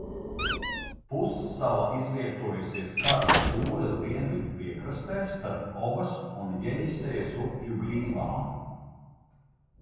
Pussala izvietojusies Karas jūras dienvidu piekrastē starp Obas un Jeņisejas upju grīvām.